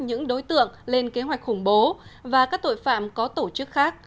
những đối tượng lên kế hoạch khủng bố và các tội phạm có tổ chức khác